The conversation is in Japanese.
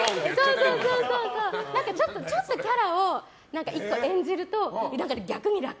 ちょっとキャラを１個演じると、逆に楽。